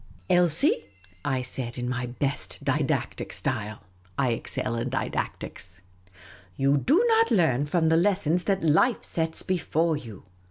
" Elsie," I said, in my best didactic style — I excel in didactics, —" you do not learn from the lessons that life sets before you.